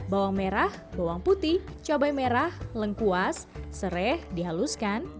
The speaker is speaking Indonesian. bawang merah bawang putih cabai merah lengkuas serai dihaluskan